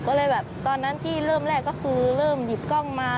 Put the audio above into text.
ก็เลยแบบตอนนั้นที่เริ่มแรกก็คือเริ่มหยิบกล้องมา